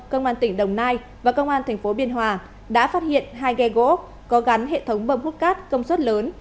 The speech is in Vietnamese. công an tỉnh đồng nai và công an tp biên hòa đã phát hiện hai ghe gỗ có gắn hệ thống bâm hút cát công suất lớn